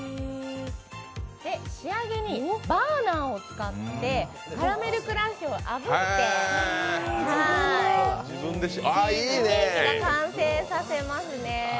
仕上げにバーナー使ってカラメルクラッシュをあぶって、チーズケーキを完成させますね。